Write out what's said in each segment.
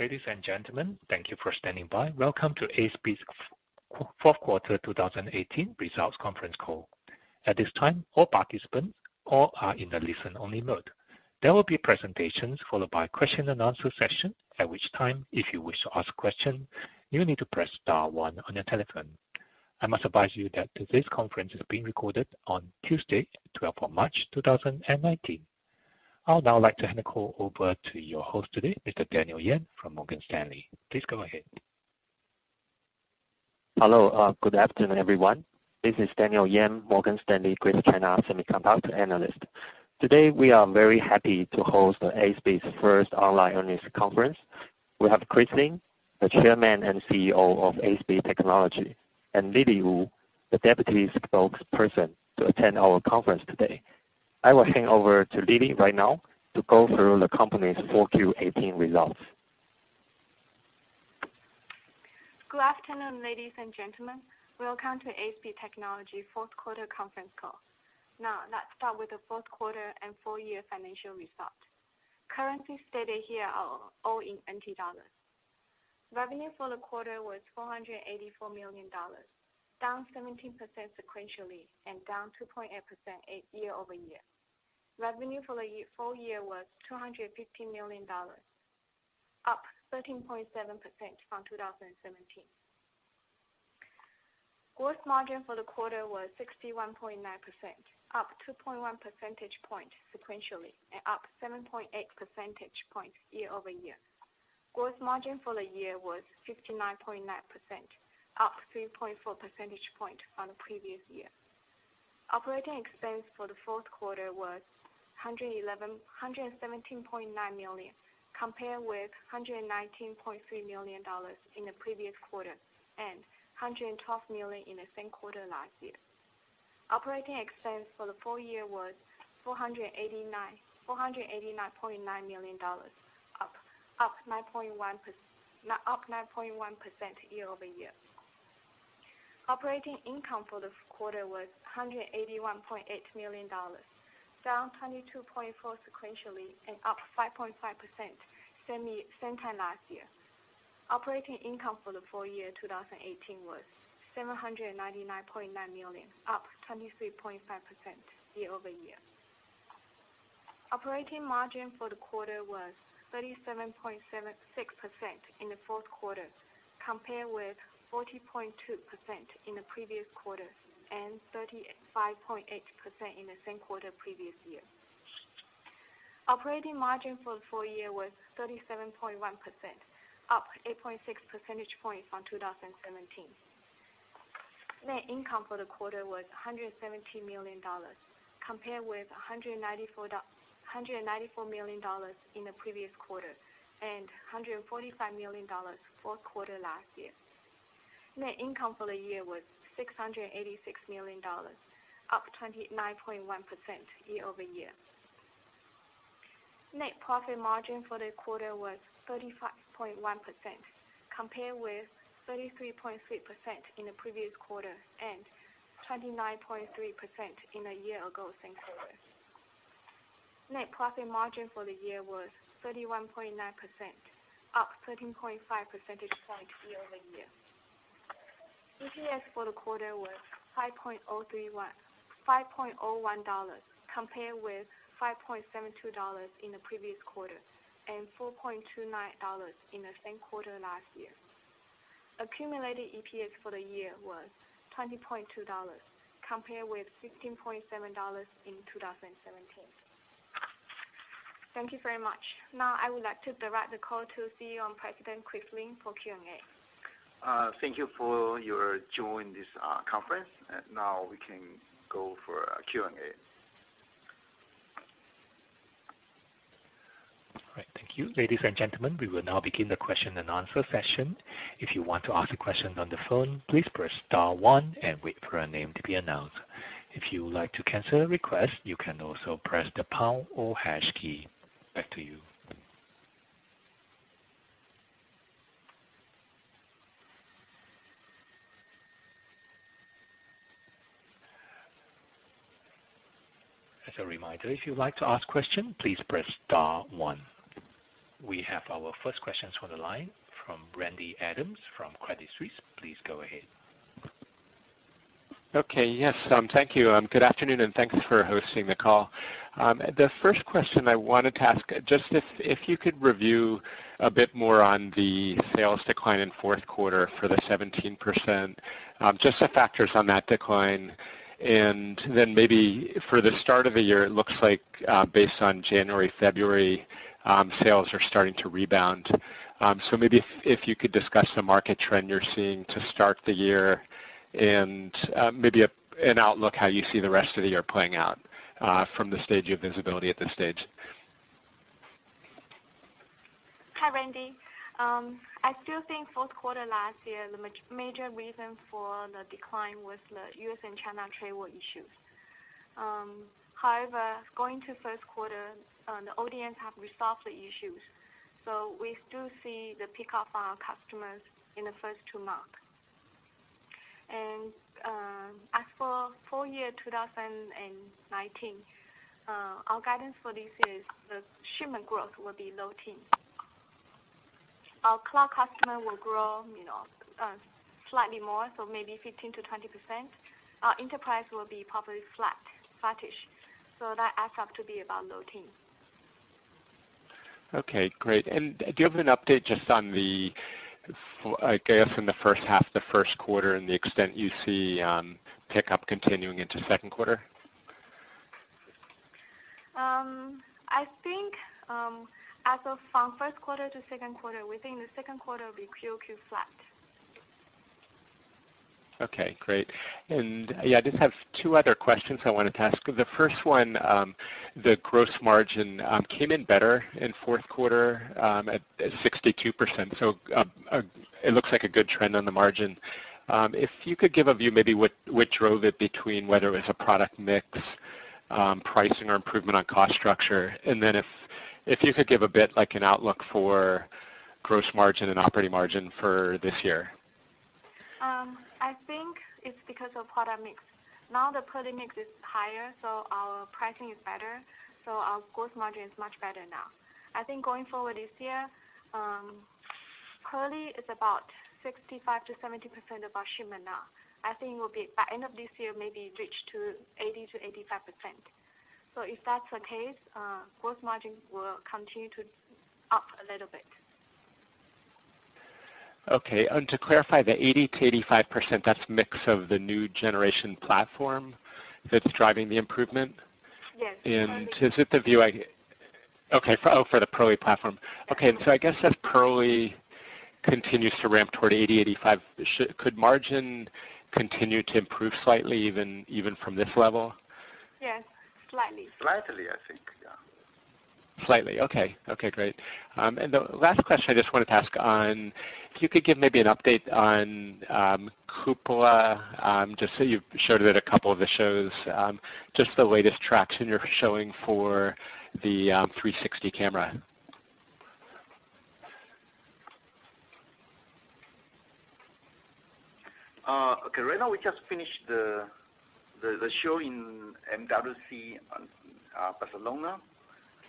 Ladies and gentlemen, thank you for standing by. Welcome to ASPEED's fourth quarter 2018 results conference call. At this time, all participants are in the listen-only mode. There will be presentations followed by question and answer session, at which time, if you wish to ask a question, you need to press star one on your telephone. I must advise you that today's conference is being recorded on Tuesday, 12th of March 2019. I would now like to hand the call over to your host today, Mr. Daniel Yan from Morgan Stanley. Please go ahead. Hello. Good afternoon, everyone. This is Daniel Yan, Morgan Stanley, Greater China semiconductor analyst. Today, we are very happy to host ASPEED's first online earnings conference. We have Chris Lin, the Chairman and President of ASPEED Technology, and Lili Wu, the deputy spokesperson, to attend our conference today. I will hand over to Lili right now to go through the company's 4Q18 results. Good afternoon, ladies and gentlemen. Welcome to ASPEED Technology fourth quarter conference call. Now, let's start with the fourth quarter and full year financial result. Currency stated here are all in NT dollars. Revenue for the quarter was 484 million dollars, down 17% sequentially, and down 2.8% year-over-year. Revenue for the full year was 2,150 million dollars, up 13.7% from 2017. Gross margin for the quarter was 61.9%, up 2.1 percentage points sequentially and up 7.8 percentage points year-over-year. Gross margin for the year was 59.9%, up 3.4 percentage points from the previous year. Operating expense for the fourth quarter was 117.9 million, compared with 119.3 million dollars in the previous quarter and 112 million in the same quarter last year. Operating expense for the full year was 489.9 million dollars, up 9.1% year-over-year. Operating income for the quarter was 181.8 million dollars, down 22.4% sequentially and up 5.5% same time last year. Operating income for the full year 2018 was 799.9 million, up 23.5% year-over-year. Operating margin for the quarter was 37.6% in the fourth quarter, compared with 40.2% in the previous quarter and 35.8% in the same quarter previous year. Operating margin for the full year was 37.1%, up 8.6 percentage points from 2017. Net income for the quarter was 117 million dollars, compared with 194 million dollars in the previous quarter and 145 million dollars fourth quarter last year. Net income for the year was 686 million dollars, up 29.1% year-over-year. Net profit margin for the quarter was 35.1%, compared with 33.3% in the previous quarter and 29.3% in the year-ago same quarter. Net profit margin for the year was 31.9%, up 13.5 percentage points year-over-year. EPS for the quarter was 5.01 dollars, compared with 5.72 dollars in the previous quarter and 4.29 dollars in the same quarter last year. Accumulated EPS for the year was 20.2 dollars, compared with 15.7 dollars in 2017. Thank you very much. Now, I would like to direct the call to CEO and President Chris Lin for Q&A. Thank you for your joining this conference. We can go for Q&A. All right. Thank you. Ladies and gentlemen, we will now begin the question and answer session. If you want to ask a question on the phone, please press star one and wait for your name to be announced. If you would like to cancel a request, you can also press the pound or hash key. Back to you. As a reminder, if you would like to ask question, please press star one. We have our first questions from the line from Randy Abrams from Credit Suisse. Please go ahead. Okay. Yes. Thank you. Good afternoon, and thanks for hosting the call. The first question I wanted to ask, just if you could review a bit more on the sales decline in fourth quarter for the 17%. Just the factors on that decline, and then maybe for the start of the year, it looks like based on January, February, sales are starting to rebound. Maybe if you could discuss the market trend you're seeing to start the year, and maybe an outlook how you see the rest of the year playing out from the stage of visibility at this stage. Hi, Randy. I still think fourth quarter last year, the major reason for the decline was the U.S. and China trade war issues. Going to first quarter, the audience have resolved the issues. We still see the pickup on our customers in the first two months. As for full year 2019, our guidance for this is the shipment growth will be low teen. Our cloud customer will grow slightly more, maybe 15%-20%. Our enterprise will be probably flat-ish. That adds up to be about low teen. Okay, great. Do you have an update just on the, I guess in the first half, the first quarter, and the extent you see pickup continuing into second quarter? I think as of from first quarter to second quarter, we think the second quarter will be quarter-over-quarter flat. Okay, great. Yeah, I just have two other questions I wanted to ask. The first one, the gross margin came in better in fourth quarter, at 62%. It looks like a good trend on the margin. If you could give a view maybe what drove it between whether it was a product mix, pricing or improvement on cost structure. If you could give a bit like an outlook for gross margin and operating margin for this year. I think it's because of product mix. The product mix is higher, our pricing is better, our gross margin is much better now. I think going forward this year, Pilot is about 65%-70% of our shipment now. I think by end of this year, maybe reach to 80%-85%. If that's the case, gross margin will continue to up a little bit. Okay. To clarify, the 80%-85%, that's mix of the new generation platform that's driving the improvement? Yes. Is it the view? Okay. Oh, for the Pilot platform. Yes. Okay. I guess as Pilot continues to ramp toward 80%-85%, could margin continue to improve slightly even from this level? Yes, slightly. Slightly, I think. Yeah. Slightly, okay. Okay, great. The last question I just wanted to ask on, if you could give maybe an update on Cupola, just so you've showed it at a couple of the shows, just the latest traction you're showing for the 360 camera. Okay. Right now, we just finished the show in MWC in Barcelona.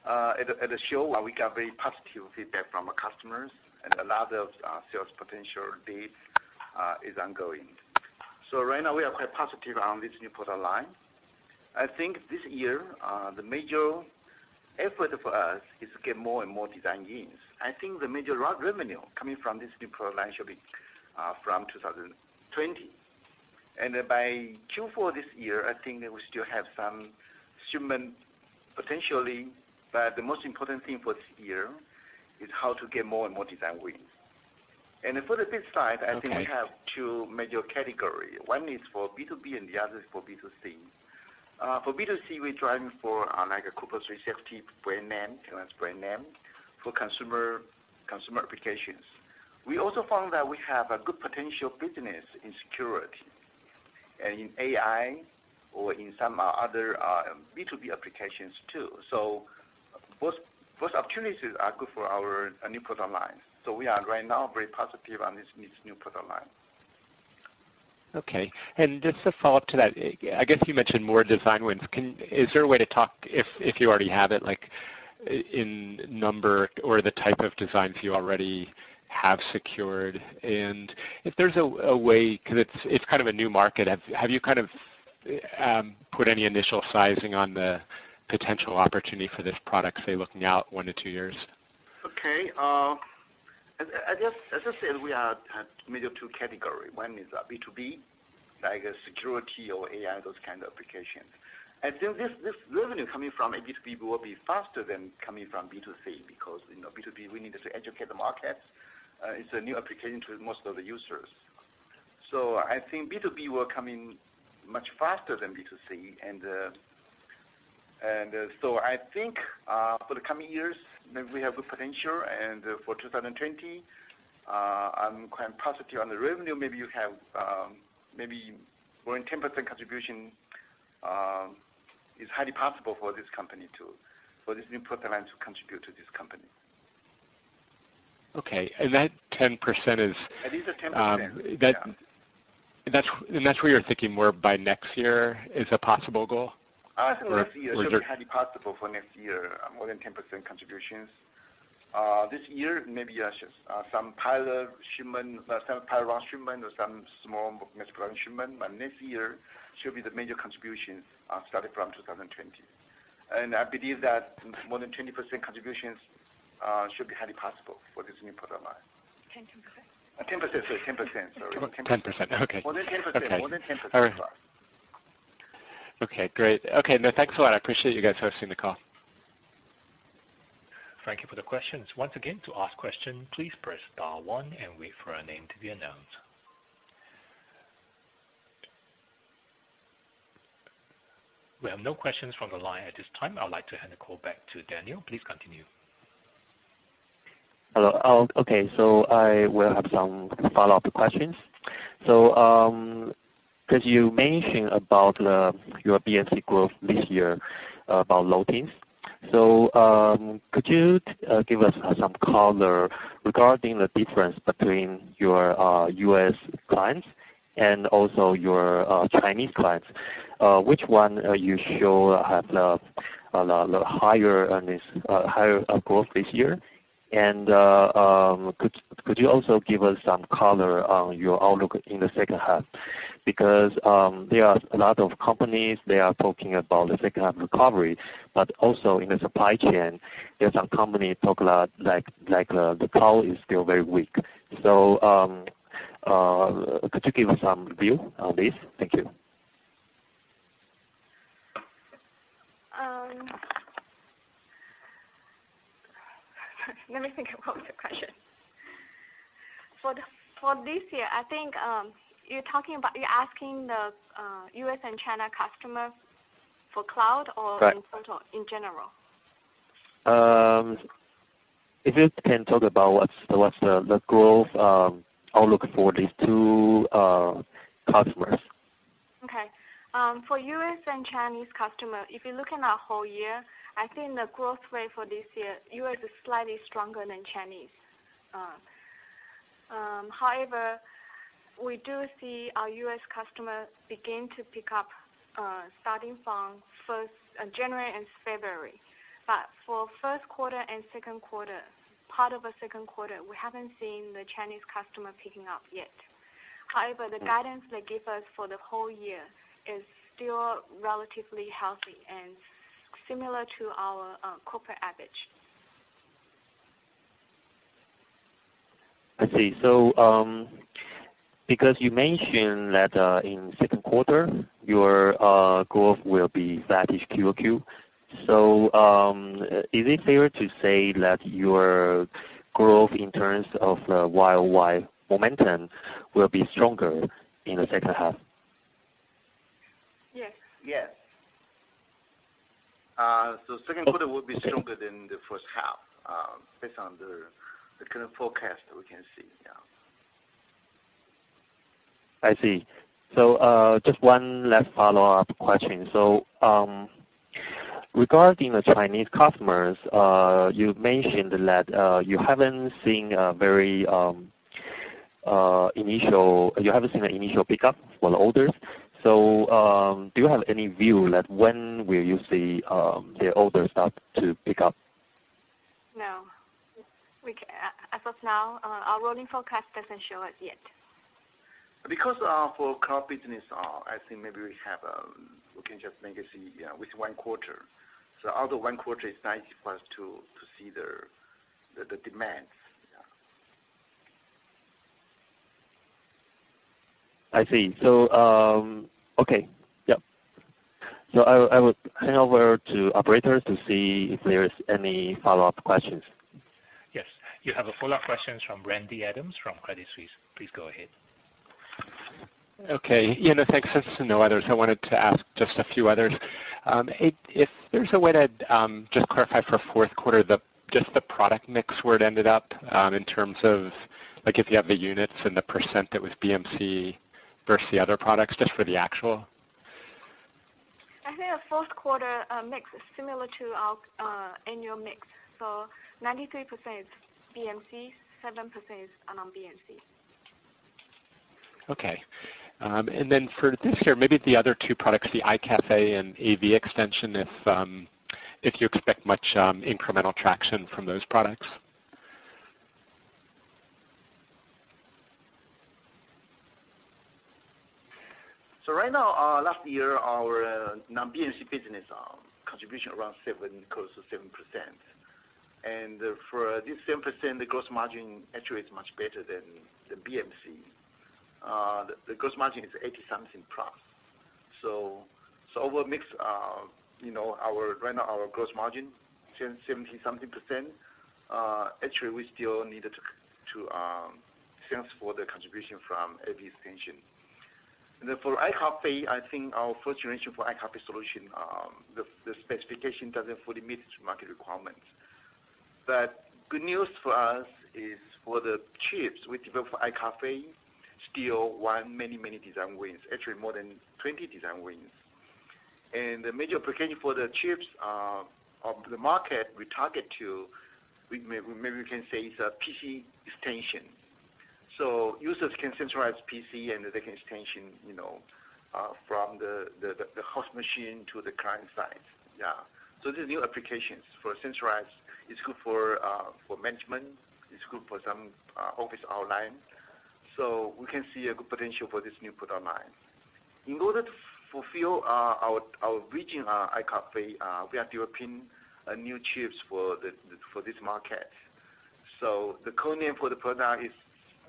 At the show, we got very positive feedback from our customers, a lot of sales potential date is ongoing. Right now, we are quite positive on this new product line. I think this year, the major effort for us is to get more and more design wins. I think the major revenue coming from this new product line should be from 2020. By Q4 this year, I think that we still have some shipment potentially, the most important thing for this year is how to get more and more design wins. Okay I think we have two major category. One is for B2B and the other is for B2C. For B2C, we're driving for, like a Cupola360 brand name, Teleste brand name for consumer applications. We also found that we have a good potential business in security and in AI or in some other B2B applications, too. Both opportunities are good for our new product line. We are right now very positive on this new product line. Okay. Just to follow up to that, I guess you mentioned more design wins. Is there a way to talk, if you already have it, like in number or the type of designs you already have secured? If there's a way, because it's kind of a new market, have you kind of put any initial sizing on the potential opportunity for this product, say, looking out 1-2 years? Okay. As I said, we are at major 2 category. One is B2B, like a security or AI, those kind of applications. This revenue coming from a B2B will be faster than coming from B2C, because B2B, we needed to educate the market. It's a new application to most of the users. I think B2B will come in much faster than B2C. I think, for the coming years, maybe we have good potential, and for 2020, I'm quite positive on the revenue. Maybe more than 10% contribution is highly possible for this company, too, for this new product line to contribute to this company. Okay. That 10% is- At least a 10%, yeah That's where you're thinking where by next year is a possible goal? I think next year. Is there Should be highly possible for next year, more than 10% contributions. This year, maybe just some pilot run shipment or some small shipment, but next year should be the major contribution starting from 2020. I believe that more than 20% contributions should be highly possible for this new product line. 10%. 10%, sorry. 10%, okay. More than 10%. Okay. More than 10% All right. Okay, great. Okay. No, thanks a lot. I appreciate you guys hosting the call. Thank you for the questions. Once again, to ask question, please press star one and wait for a name to be announced. We have no questions from the line at this time. I would like to hand the call back to Daniel. Please continue. Hello. Okay, I will have some follow-up questions. Because you mentioned about your BMC growth this year about low teens. Could you give us some color regarding the difference between your U.S. clients and also your Chinese clients? Which one you show have the higher growth this year? Could you also give us some color on your outlook in the second half? There are a lot of companies, they are talking about the second half recovery, but also in the supply chain, there's some company talk like the cloud is still very weak. Could you give some view on this? Thank you. Let me think about the question. For this year, I think, you're asking the U.S. and China customer for cloud or- Right in general? If you can talk about what's the growth, outlook for these two customers. Okay. For U.S. and Chinese customer, if you look in our whole year, I think the growth rate for this year, U.S. is slightly stronger than Chinese. However, we do see our U.S. customer begin to pick up, starting from first January and February. For first quarter and second quarter, part of the second quarter, we haven't seen the Chinese customer picking up yet. However- the guidance they give us for the whole year is still relatively healthy and similar to our corporate average. I see. Because you mentioned that in second quarter, your growth will be flattish quarter-over-quarter, so, is it fair to say that your growth in terms of the year-over-year momentum will be stronger in the second half? Yes. Yes. Second quarter will be stronger than the first half, based on the current forecast we can see now. I see. Just one last follow-up question. Regarding the Chinese customers, you mentioned that, you haven't seen the initial pickup for the orders. Do you have any view that when will you see, the orders start to pick up? No. As of now, our rolling forecast doesn't show it yet. For cloud business, I think maybe we can just maybe see with one quarter. Other one quarter is nice for us to see the demands. Yeah. I see. Okay. Yep. I will hand over to operators to see if there is any follow-up questions. Yes. You have a follow-up questions from Randy Abrams from Credit Suisse. Please go ahead. Okay. Yeah, no, thanks. Since there's no others, I wanted to ask just a few others. If there's a way to just clarify for fourth quarter, just the product mix where it ended up, in terms of if you have the units and the % that was BMC versus the other products, just for the actual. I think our fourth quarter mix is similar to our annual mix. 93% BMC, 7% are non-BMC. Okay. For this year, maybe the other two products, the iCafe and AV Extension, if you expect much incremental traction from those products. Right now, last year, our non-BMC business contribution around close to 7%. For this 7%, the gross margin actually is much better than the BMC. The gross margin is 80 something plus. Our mix, right now our gross margin, 17%, actually we still needed to transfer the contribution from AV Extension. For iCafe, I think our first generation for iCafe solution, the specification doesn't fully meet market requirements. Good news for us is for the chips, which is for iCafe, still won many design wins, actually more than 20 design wins. The major application for the chips of the market we target to, maybe we can say it's a PC Extension. Users can centralize PC and they can extension from the host machine to the client side. Yeah. This is new applications. For centralized, it's good for management, it's good for some office outline. We can see a good potential for this new product line. In order to fulfill our vision, our iCafe, we are developing new chips for this market. The code name for the product is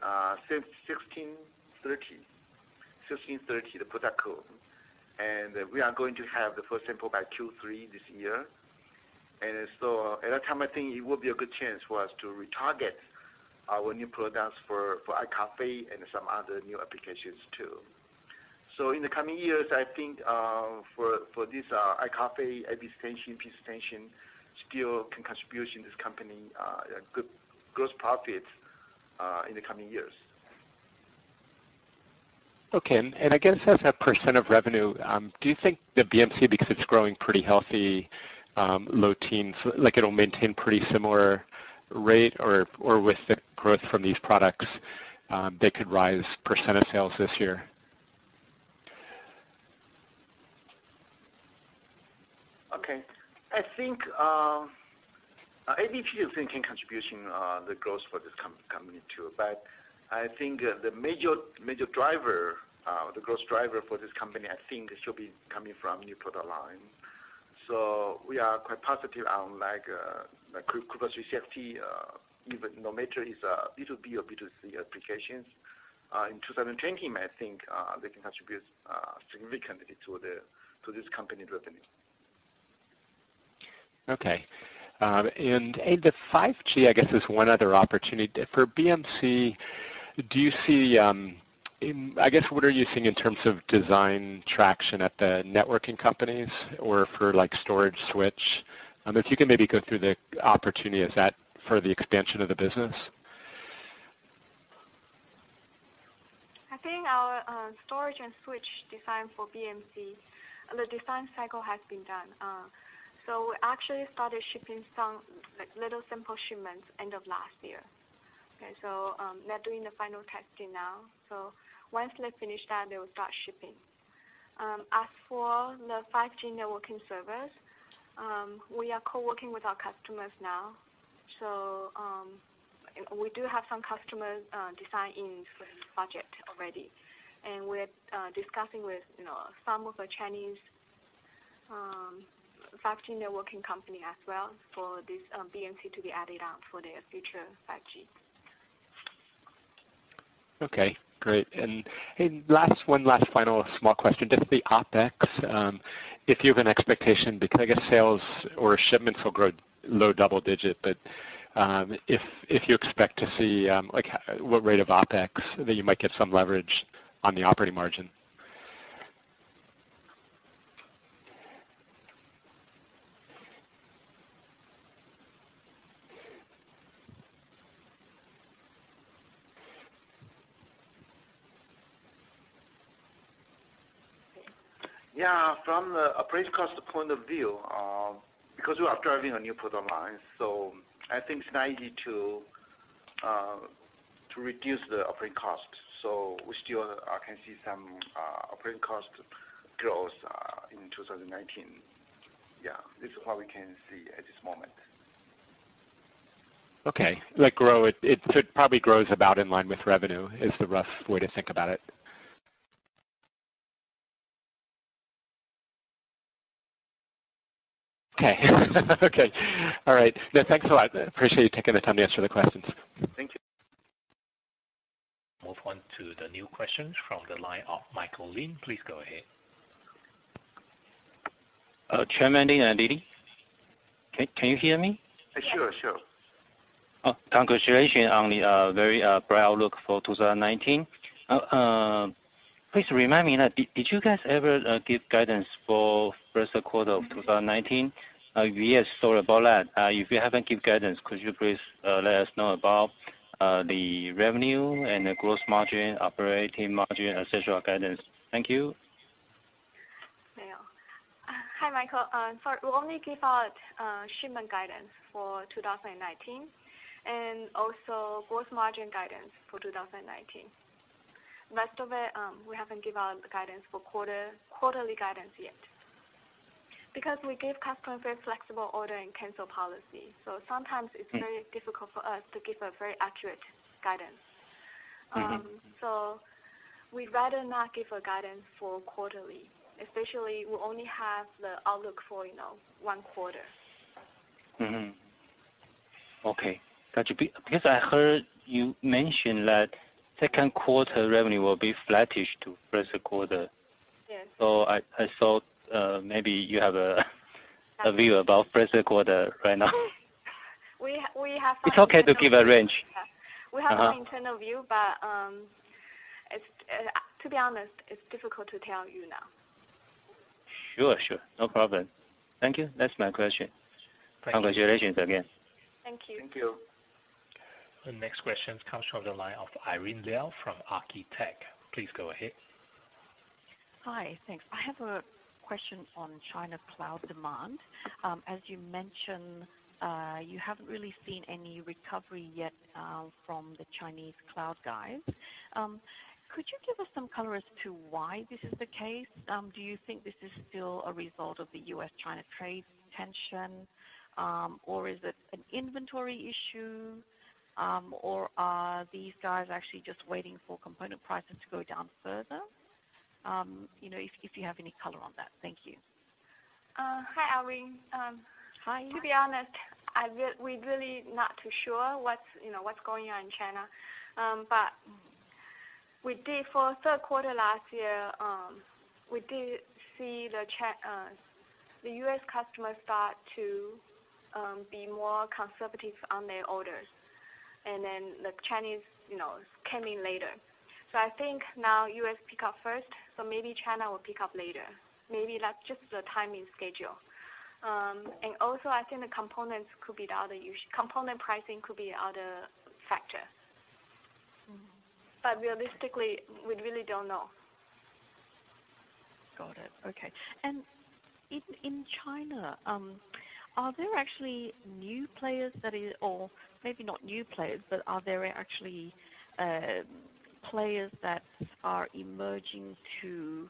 AST1630, the product code. We are going to have the first sample by Q3 this year. At that time, I think it will be a good chance for us to retarget our new products for iCafe and some other new applications too. In the coming years, I think, for this iCafe, AV Extension, PC Extension, still can contribution this company good gross profits. Okay. I guess as a % of revenue, do you think that BMC, because it's growing pretty healthy, low teens, it'll maintain pretty similar rate or with the growth from these products, they could rise % of sales this year? Okay. I think ABT is thinking contribution, the growth for this company too. I think the major driver, the growth driver for this company, I think should be coming from new product line. We are quite positive on Cupola360, even though major is, it will be a B2C applications. In 2020, I think, they can contribute significantly to this company revenue. Okay. The 5G, I guess, is one other opportunity. For BMC, I guess, what are you seeing in terms of design traction at the networking companies or for storage switch? If you can maybe go through the opportunity, is that for the expansion of the business? I think our storage and switch design for BMC, the design cycle has been done. We actually started shipping some little simple shipments end of last year. They're doing the final testing now. Once they finish that, they will start shipping. As for the 5G networking service, we are co-working with our customers now. We do have some customers designing for this project already, and we're discussing with some of the Chinese 5G networking company as well for this BMC to be added on for their future 5G. Okay, great. One last final small question. Just the OpEx, if you have an expectation, because I guess sales or shipments will grow low double digit, but, if you expect to see what rate of OpEx that you might get some leverage on the operating margin. Yeah, from the operating cost point of view, because we are driving a new product line, so I think it's naive to reduce the operating cost. We still can see some operating cost growth in 2019. Yeah. This is what we can see at this moment. Okay. It probably grows about in line with revenue, is the rough way to think about it. Okay. All right. No, thanks a lot. Appreciate you taking the time to answer the questions. Thank you. Move on to the new questions from the line of Michael Lin. Please go ahead. Chairman Lin and Lili, can you hear me? Sure. Congratulations on the very bright outlook for 2019. Please remind me, did you guys ever give guidance for first quarter of 2019? If yes, sorry about that. If you haven't give guidance, could you please let us know about the revenue and the gross margin, operating margin, et cetera, guidance. Thank you. Hi, Michael. Sorry, we only give out shipment guidance for 2019 and also gross margin guidance for 2019. Rest of it, we haven't given out the quarterly guidance yet. We give customers very flexible order and cancel policy, sometimes it's very difficult for us to give a very accurate guidance. We'd rather not give a guidance for quarterly, especially we only have the outlook for one quarter. Okay. Got you. I heard you mention that second quarter revenue will be flattish to first quarter. Yes. I thought, maybe you have a view about first quarter right now. We have It's okay to give a range. We have an internal view, but to be honest, it's difficult to tell you now. Sure. No problem. Thank you. That's my question. Thank you. Congratulations again. Thank you. Thank you. The next question comes from the line of Irene Liao from Arete. Please go ahead. Hi. Thanks. I have a question on China cloud demand. As you mentioned, you haven't really seen any recovery yet from the Chinese cloud guys. Could you give us some color as to why this is the case? Do you think this is still a result of the U.S.-China trade tension? Is it an inventory issue? Are these guys actually just waiting for component prices to go down further? If you have any color on that. Thank you. Hi, Irene. Hi. To be honest, we're really not too sure what's going on in China. For third quarter last year, we did see the U.S. customers start to be more conservative on their orders. The Chinese came in later. I think now U.S. pick up first, so maybe China will pick up later. Maybe that's just the timing schedule. Also, I think the component pricing could be other factor. Realistically, we really don't know. Got it. Okay. In China, are there actually new players or maybe not new players, but are there actually players that are emerging to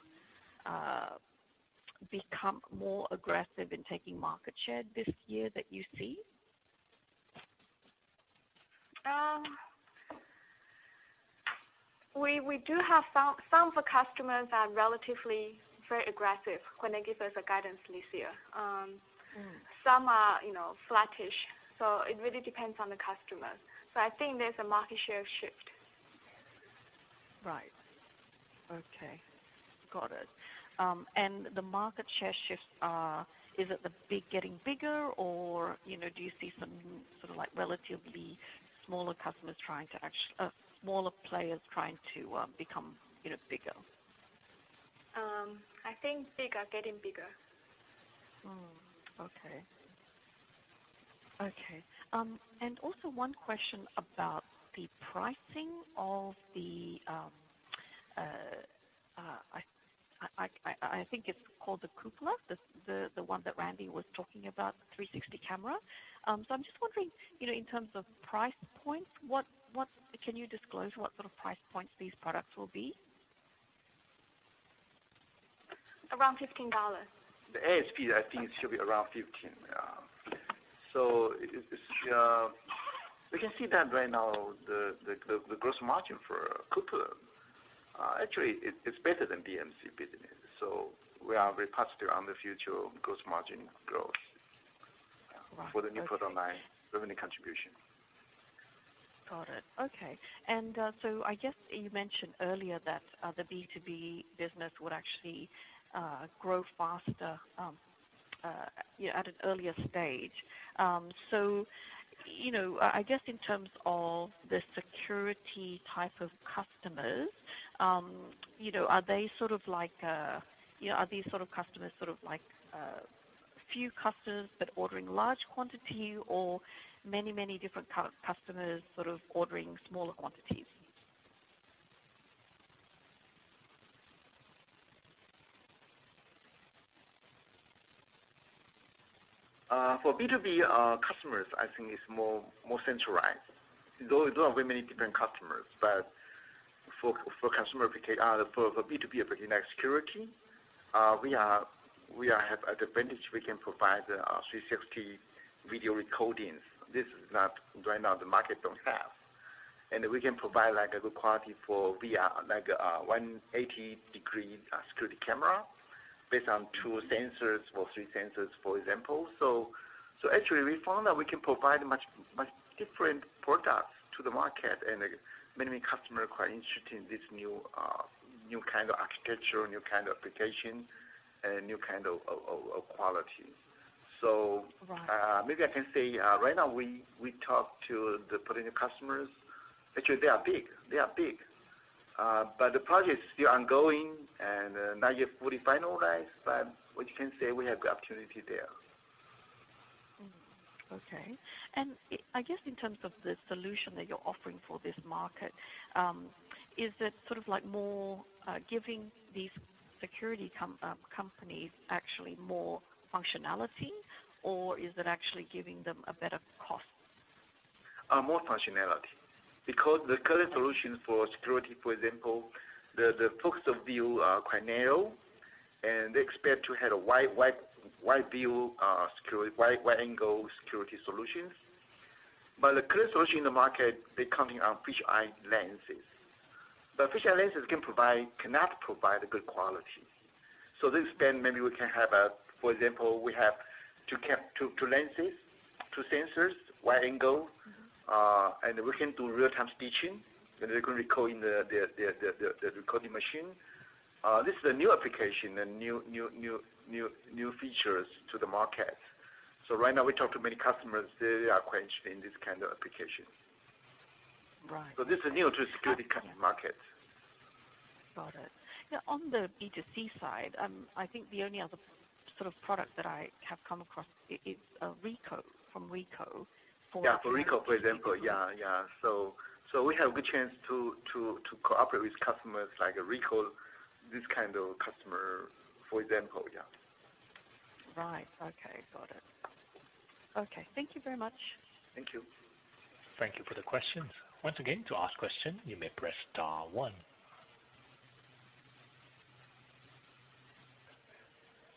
become more aggressive in taking market share this year that you see? We do have some of our customers are relatively very aggressive when they give us a guidance this year. Some are flattish, it really depends on the customer. I think there's a market share shift. Right. Okay. Got it. The market share shifts are, is it the big getting bigger, or do you see some sort of relatively smaller players trying to become bigger? I think bigger getting bigger. Okay. Also, one question about the pricing of the, I think it's called the Cupola, the one that Randy was talking about, the 360 camera. I'm just wondering, in terms of price points, can you disclose what sort of price points these products will be? Around 15 dollars. The ASP, I think it should be around 15, yeah. We can see that right now, the gross margin for Cupola, actually, it's better than BMC business. We are very positive on the future of gross margin growth. Right. Okay. for the new product line revenue contribution. Got it. Okay. I guess you mentioned earlier that the B2B business would actually grow faster at an earlier stage. I guess in terms of the security type of customers, are these sort of customers sort of few customers, but ordering large quantity or many different kind of customers sort of ordering smaller quantities? For B2B customers, I think it's more centralized. There aren't very many different customers. For B2B internet security, we have advantage, we can provide the 360 video recordings. This is not, right now, the market don't have. We can provide a good quality for VR, like 180-degree security camera based on two sensors or three sensors, for example. Actually, we found that we can provide much different products to the market, and many customers are quite interested in this new kind of architecture, new kind of application, and new kind of quality. Right I can say, right now, we talk to the potential customers. Actually, they are big. The project is still ongoing, and not yet fully finalized. What you can say, we have the opportunity there. Okay. I guess in terms of the solution that you're offering for this market, is it sort of more giving these security companies actually more functionality, or is it actually giving them a better cost? More functionality. Because the current solution for security, for example, the field of view are quite narrow, and they expect to have a wide-angle security solutions. The current solution in the market, they're coming on fisheye lenses. Fisheye lenses cannot provide a good quality. This maybe we can have a, for example, we have two lenses, two sensors, wide angle- We can do real-time stitching that we can record in the recording machine. This is a new application and new features to the market. Right now, we talk to many customers. They are quite interested in this kind of application. Right. This is new to security kind of market. Got it. On the B2C side, I think the only other sort of product that I have come across, it's Ricoh from Ricoh. Yeah. For Ricoh, for example. Yeah. We have good chance to cooperate with customers like Ricoh, this kind of customer, for example. Yeah. Right. Okay. Got it. Okay. Thank you very much. Thank you. Thank you for the questions. Once again, to ask question, you may press star one.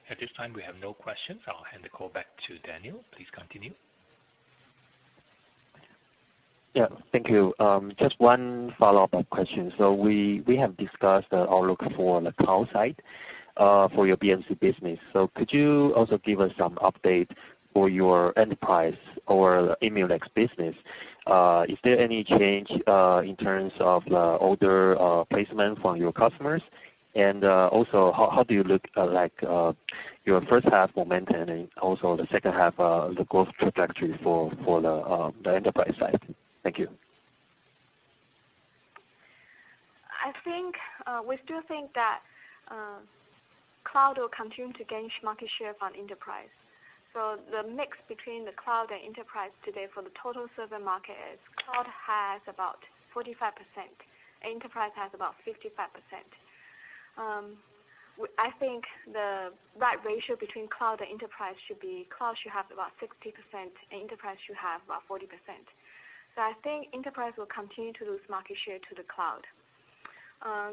At this time, we have no questions, so I'll hand the call back to Daniel. Please continue. Yeah. Thank you. Just one follow-up question. We have discussed the outlook for the cloud side for your BMC business. Could you also give us some update for your enterprise or Emulex business? Is there any change in terms of the order placement from your customers? Also, how do you look your first half momentum, and also the second half, the growth trajectory for the enterprise side? Thank you. We still think that cloud will continue to gain market share from enterprise. The mix between the cloud and enterprise today for the total server market is cloud has about 45%, enterprise has about 55%. I think the right ratio between cloud and enterprise should be cloud should have about 60%, and enterprise should have about 40%. I think enterprise will continue to lose market share to the cloud.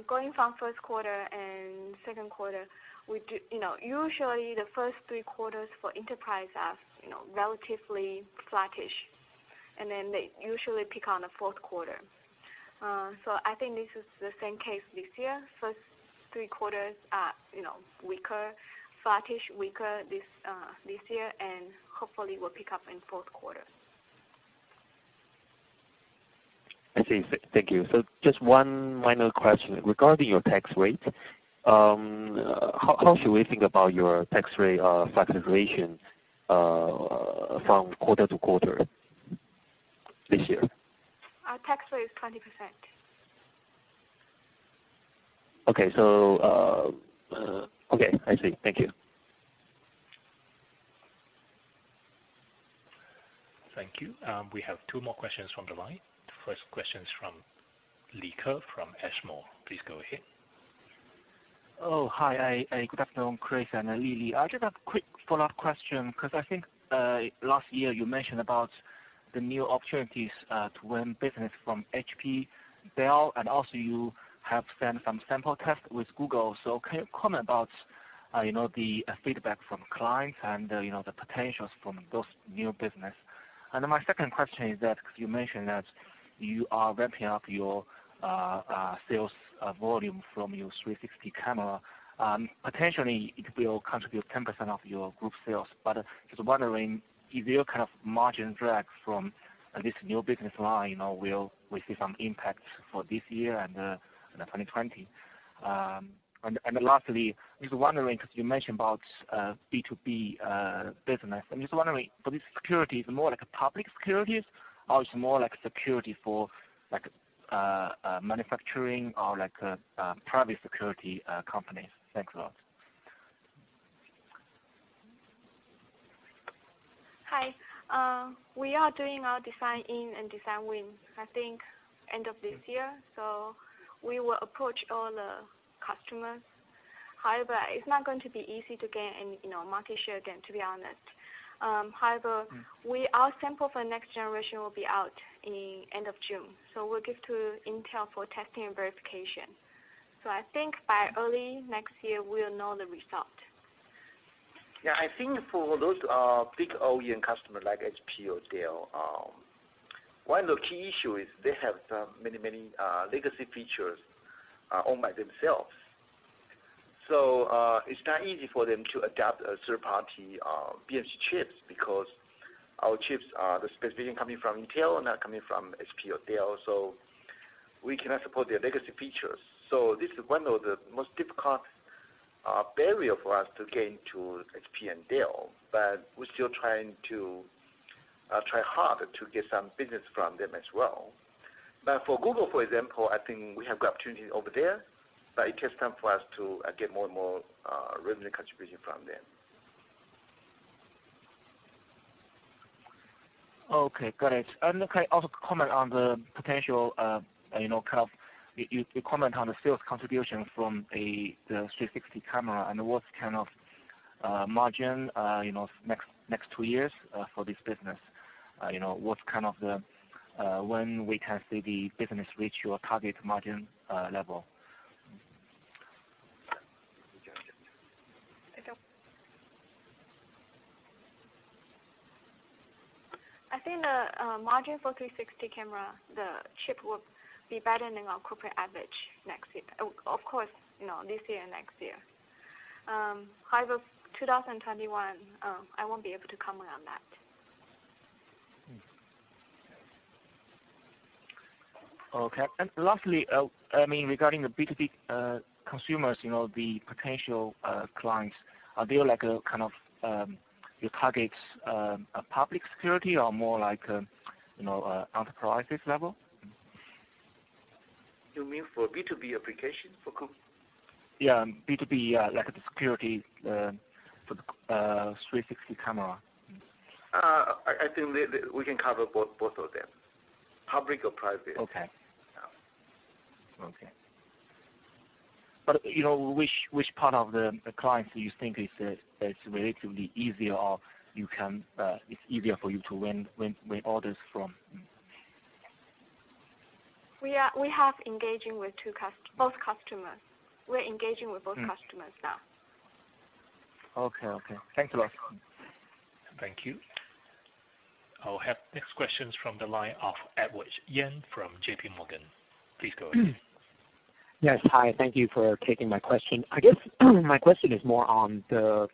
Going from first quarter and second quarter, usually the first three quarters for enterprise are relatively flattish, and then they usually pick on the fourth quarter. I think this is the same case this year. First three quarters are weaker, flattish, weaker this year, and hopefully will pick up in fourth quarter. I see. Thank you. Just one final question. Regarding your tax rate, how should we think about your tax rate fluctuation from quarter to quarter this year? Our tax rate is 20%. Okay. I see. Thank you. Thank you. We have two more questions from the line. The first question is from Li Ke from Ashmore. Please go ahead. Hi. Good afternoon, Chris and Lili. I just have a quick follow-up question. Last year, you mentioned about the new opportunities to win business from HP, Dell, and also you have done some sample test with Google. Can you comment about the feedback from clients and the potentials from those new business? My second question is that, you mentioned that you are ramping up your sales volume from your 360 camera. Potentially it will contribute 10% of your group sales. Just wondering, is there margin drag from this new business line, or will we see some impact for this year and 2020? Lastly, just wondering, you mentioned about B2B business. I'm just wondering, for this security, is it more like a public securities or it's more like security for manufacturing or like a private security company? Thanks a lot. Hi. We are doing our design-in and design win, end of this year. We will approach all the customers. However, it's not going to be easy to gain any market share again, to be honest. However, our sample for next generation will be out in end of June. We'll give to Intel for testing and verification. By early next year, we'll know the result. For those big OEM customer like HP or Dell, one of the key issue is they have some many legacy features owned by themselves. It's not easy for them to adapt a third-party BMC chips, because our chips are the specification coming from Intel, not coming from HP or Dell. We cannot support their legacy features. This is one of the most difficult barrier for us to gain to HP and Dell. We're still trying hard to get some business from them as well. For Google, for example, we have got opportunity over there, but it takes time for us to get more and more revenue contribution from them. Okay, got it. You comment on the sales contribution from the 360 camera, and what kind of margin next 2 years for this business? When we can see the business reach your target margin level? I think the margin for 360 camera, the chip will be better than our corporate average next year. Of course, this year, next year. However, 2021, I won't be able to comment on that. Okay. Lastly, regarding the B2B consumers, the potential clients, are they your targets public security or more like enterprises level? You mean for B2B application? Yeah, B2B, like the security for the 360 camera. I think we can cover both of them, public or private. Okay. Which part of the clients do you think is relatively easier, or it's easier for you to win orders from? We're engaging with both customers now. Okay. Thanks a lot. Thank you. I'll have next questions from the line of Edward Yen from JP Morgan. Please go ahead. Yes. Hi, thank you for taking my question. I guess my question is more on the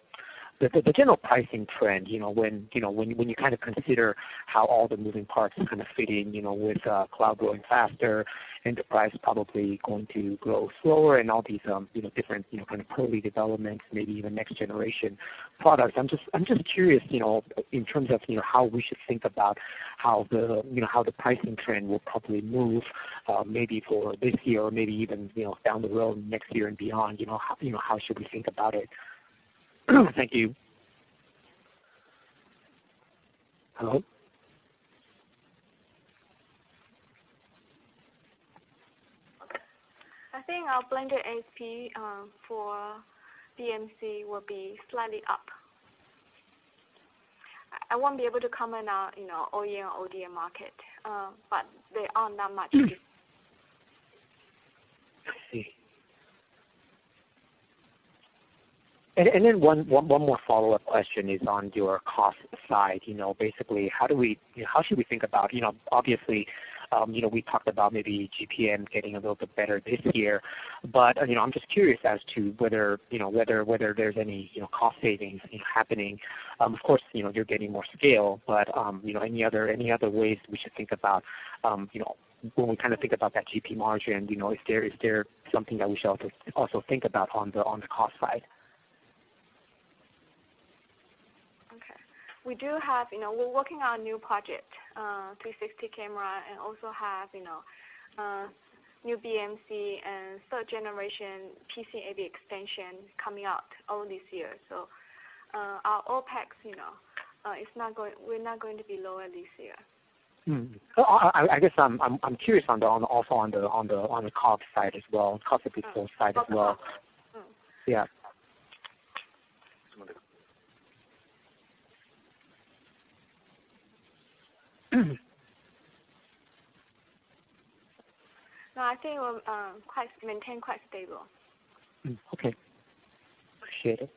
general pricing trend, when you kind of consider how all the moving parts kind of fit in, with cloud growing faster, enterprise probably going to grow slower and all these different kind of early developments, maybe even next generation products. I'm just curious, in terms of how we should think about how the pricing trend will probably move, maybe for this year or maybe even down the road next year and beyond. How should we think about it? Thank you. Hello? I think our blended ASP for BMC will be slightly up. I won't be able to comment on OEM or ODM market, but they are not much different. I see. One more follow-up question is on your cost side. How should we think about we talked about maybe GPM getting a little bit better this year, I'm just curious as to whether there's any cost savings happening. You're getting more scale, any other ways we should think about when we think about that GP margin, is there something that we should also think about on the cost side? We're working on new project, 360 camera, also have new BMC and third generation PCIE extension coming out all this year. Our OPEX, we're not going to be lower this year. I'm curious also on the cost side as well, cost of goods sold side as well. On the cost. Yeah. No, I think it will maintain quite stable. Okay. Appreciate it.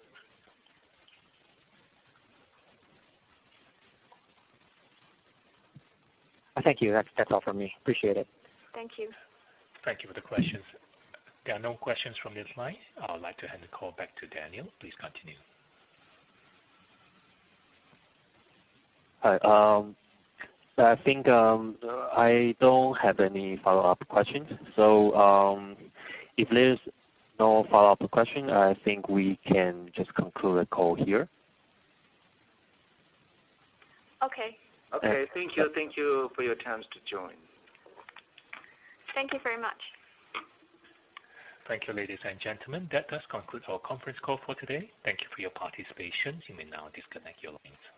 Thank you. That's all from me. Appreciate it. Thank you. Thank you for the questions. There are no questions from this line. I would like to hand the call back to Daniel. Please continue. Hi. I think I don't have any follow-up questions. If there's no follow-up question, I think we can just conclude the call here. Okay. Okay. Thank you for your chance to join. Thank you very much. Thank you, ladies and gentlemen. That does conclude our conference call for today. Thank you for your participation. You may now disconnect your lines.